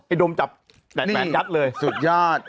ไอ้โดมจับแปลงแปลงจัดเลยนี่สุดยอด